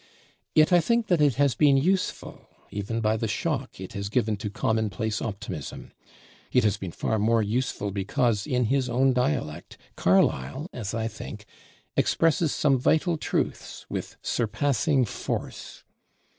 Yet I think that it has been useful even by the shock it has given to commonplace optimism. It has been far more useful because in his own dialect, Carlyle as I think expresses some vital truths with surpassing force.